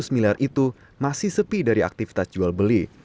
lima ratus miliar itu masih sepi dari aktivitas jual beli